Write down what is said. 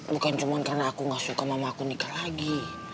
bukan cuma karena aku gak suka mama aku nikah lagi